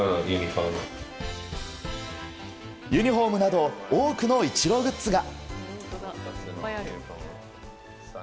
ユニホームなど多くのイチローグッズが。